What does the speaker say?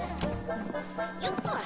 よっと。